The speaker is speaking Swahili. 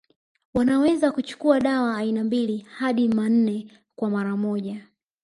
Wanaweza kuchukua dawa aina mbili hadi manne kwa mara moja